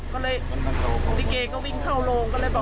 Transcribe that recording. ก็เลยตีเกย์วิ่งเข้าโลง